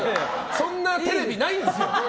そんなテレビないんですよ。